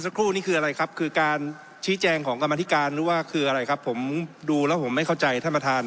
สักครู่นี่คืออะไรครับคือการชี้แจงของกรรมธิการหรือว่าคืออะไรครับผมดูแล้วผมไม่เข้าใจท่านประธาน